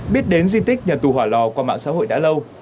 biết đến di tích nhà tù hỏa lò qua mạng xã hội đã lâu